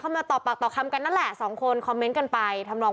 มาต่อปากต่อคำกันนั่นแหละสองคนคอมเมนต์กันไปทำลอง